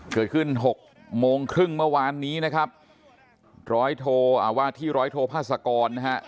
เกิดขึ้นหกโมงครึ่งเมื่อวานนี้นะครับร้อยโทอาว่าที่นะฮะ